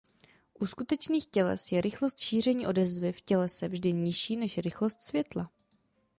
U skutečných těles je rychlost šíření odezvy v tělese vždy nižší než rychlost světla.